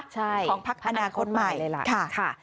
ใช่ภักดิ์อนาคตใหม่เลยล่ะค่ะ